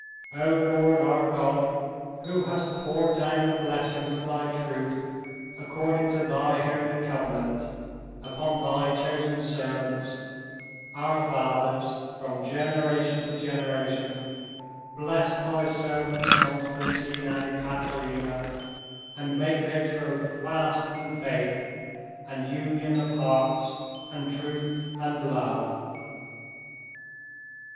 O Lord, our God, who hast poured down the blessings of Thy Truth according to Thy Holy Covenant upon Thy chosen servants, our fathers, from generation to generation, bless Thy servants Konstantin and Ekaterina, and make their troth fast in faith, and union of hearts, and truth, and love...."